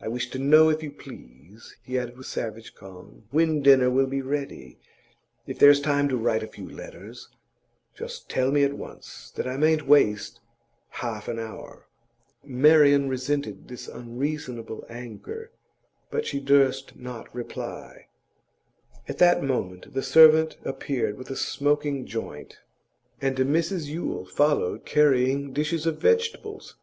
I wish to know, if you please,' he added with savage calm, 'when dinner will be ready. If there's time to write a few letters, just tell me at once, that I mayn't waste half an hour.' Marian resented this unreasonable anger, but she durst not reply. At that moment the servant appeared with a smoking joint, and Mrs Yule followed carrying dishes of vegetables.